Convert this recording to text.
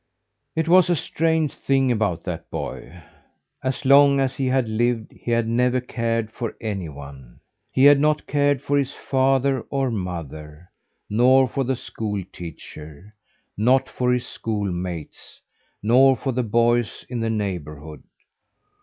It was a strange thing about that boy as long as he had lived, he had never cared for anyone. He had not cared for his father or mother; not for the school teacher; not for his school mates; nor for the boys in the neighbourhood.